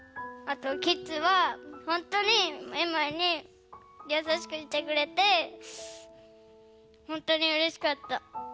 あとキッズはほんとにエマリにやさしくしてくれてほんとにうれしかった。